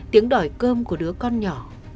tiếng đòi cơm của đứa con nhỏ